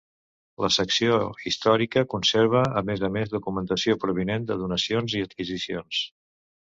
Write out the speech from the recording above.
La secció Històrica conserva, a més a més, documentació provinent de donacions i adquisicions.